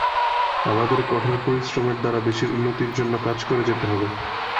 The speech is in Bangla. আমাদেরকে কঠোর পরিশ্রমের দ্বারা দেশের উন্নতির জন্য কাজ করে যেতে হবে।